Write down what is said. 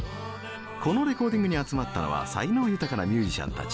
このレコーディングに集まったのは才能豊かなミュージシャンたち。